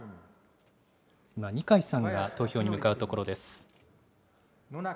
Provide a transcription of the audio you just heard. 今、二階さんが投票に向かうところです。